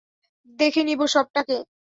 দেখে নিবো সবকটাকে!